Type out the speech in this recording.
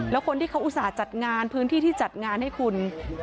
แล้วคนที่เขาอุตส่าห์จัดงานพื้นที่ที่จัดงานให้คุณ